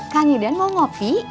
kak nyudan mau kopi